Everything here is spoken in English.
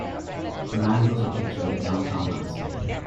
A man draws a picture of a downtown landscape.